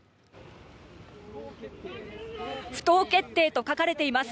不当決定と書かれています。